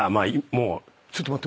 ちょっと待って。